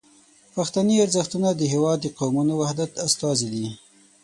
پښتني ارزښتونه د هیواد د قومونو وحدت استازي دي.